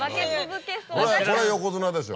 これ横綱でしょ。